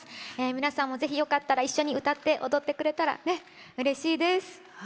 皆さんもぜひ一緒に歌って踊ってくれたらうれしいです。